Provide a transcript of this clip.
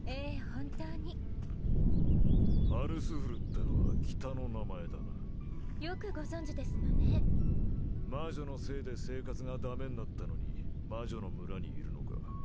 本当にハルスフルってのは北の名前だなよくご存じですのね魔女のせいで生活がダメになったのに魔女の村にいるのか？